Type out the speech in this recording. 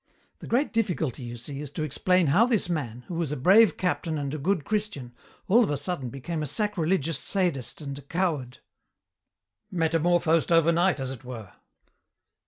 The great difficulty, you see, is to explain how this man, who was a brave captain and a good Christian, all of a sudden became a sacrilegious sadist and a coward." "Metamorphosed over night, as it were."